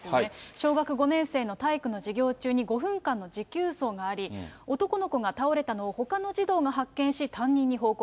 小学５年生の体育の授業中に５分間の持久走があり、男の子が倒れたのをほかの児童が発見し、担任に報告。